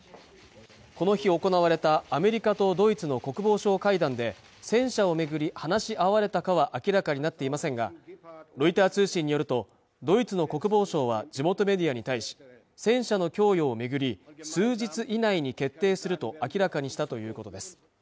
この日行われたアメリカとドイツの国防相会談で戦車をめぐり話し合われたかは明らかになっていませんがロイター通信によるとドイツの国防相は地元メディアに対し戦車の供与を巡り数日以内に決定すると明らかにしたということです